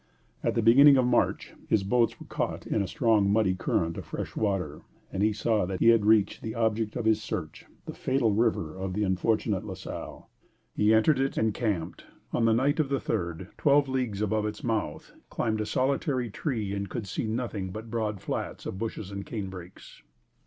At the beginning of March his boats were caught in a strong muddy current of fresh water, and he saw that he had reached the object of his search, the "fatal river" of the unfortunate La Salle. He entered it, encamped, on the night of the third, twelve leagues above its mouth, climbed a solitary tree, and could see nothing but broad flats of bushes and canebrakes.